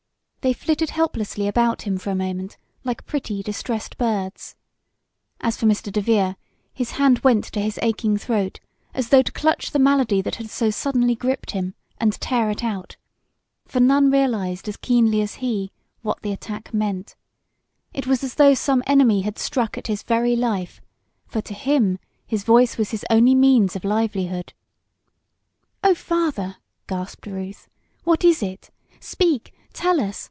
They flitted helplessly about him for a moment, like pretty, distressed birds. As for Mr. DeVere, his hand went to his aching throat as though to clutch the malady that had so suddenly gripped him, and tear it out. For none realized as keenly as he what the attack meant. It was as though some enemy had struck at his very life, for to him his voice was his only means of livelihood. "Oh, Father!" gasped Ruth. "What is it? Speak! Tell us!